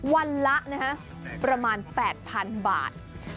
วันละนะฮะประมาณ๘๐๐๐บาท